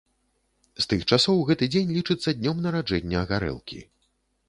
З тых часоў гэты дзень лічыцца днём нараджэння гарэлкі.